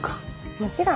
もちろん！